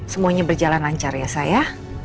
semuanya berjalan lancar ya sa ya